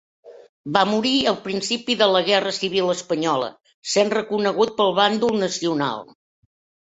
Va morir al principi de la Guerra Civil Espanyola, sent reconegut pel bàndol nacional.